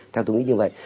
theo tôi nghĩ như vậy